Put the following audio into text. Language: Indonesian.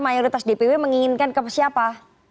mayoritas dpw menginginkan ke siapa